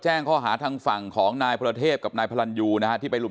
แจ้งข้อหาทางฝั่งของนายพระเทพกับนายพรรณยูนะฮะที่ไปลุม